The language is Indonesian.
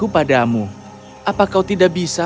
padamu apa kau tidak bisa